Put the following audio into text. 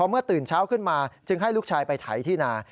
เมื่อตื่นเช้าขึ้นมาจึงให้ลูกชายไปไถที่นา